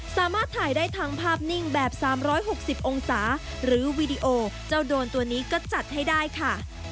สามารถถ่ายได้ทั้งภาพนิ่งแบบ๓๖๐องศาหรือวีดีโอเจ้าโดนตัวนี้ก็จัดให้ได้ค่ะ